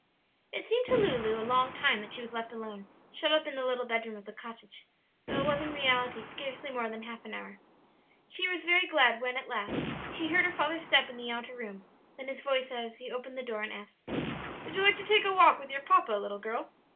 It seemed to Lulu a long time that she was left alone, shut up in the little bedroom of the cottage, though it was in reality scarcely more than half an hour. She was very glad when at last she heard her father's step in the outer room, then his voice as he opened the door and asked, "Would you like to take a walk with your papa, little girl?"